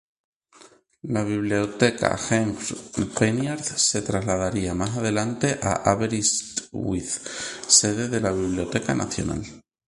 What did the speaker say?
La biblioteca Hengwrt–Peniarth se trasladaría más adelante a Aberystwyth, sede de la Biblioteca Nacional.